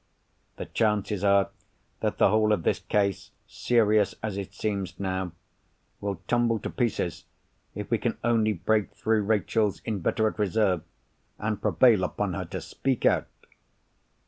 The chances are, that the whole of this case, serious as it seems now, will tumble to pieces, if we can only break through Rachel's inveterate reserve, and prevail upon her to speak out."